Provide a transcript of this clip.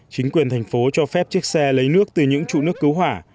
chính quyền thành phố cho phép chiếc xe lấy nước từ những trụ nước cứu hỏa